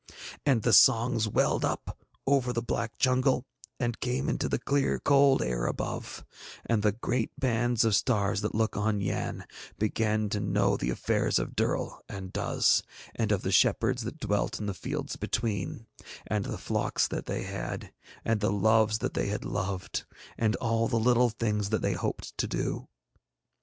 And the songs welled up over the black jungle and came into the clear cold air above, and the great bands of stars that look on Yann began to know the affairs of Durl and Duz, and of the shepherds that dwelt in the fields between, and the flocks that they had, and the loves that they had loved, and all the little things that they hoped to do.